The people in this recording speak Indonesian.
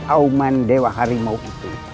auman dewa harimau itu